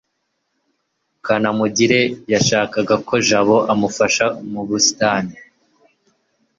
kanamugire yashakaga ko jabo amufasha mu busitani